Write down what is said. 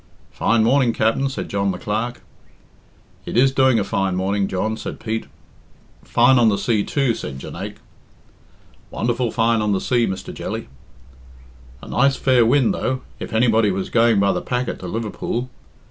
"Fine morning, Capt'n," said John the Clerk. "It is doing a fine morning, John," said Pete. "Fine on the sea, too," said Jonaique. "Wonderful fine on the sea, Mr. Jelly." "A nice fair wind, though, if anybody was going by the packet to Liverpool.